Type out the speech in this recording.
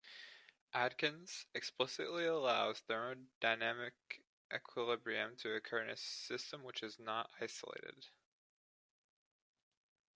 Adkins, explicitly allows thermodynamic equilibrium to occur in a system which is not isolated.